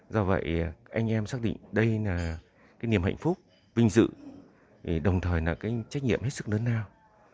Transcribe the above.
do vậy anh em xác định đây là cái niềm hạnh phúc vinh dự đồng thời là cái trách nhiệm hết sức lớn lao